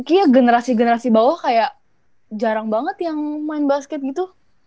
kayaknya generasi generasi bawah kayak jarang banget yang main basket gitu